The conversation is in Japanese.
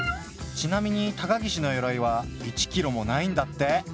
ちなみに高岸の鎧は１キロもないんだって。